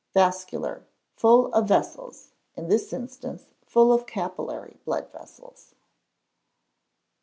Vascular. Full of vessels. In this instance, full of capillary blood vessels.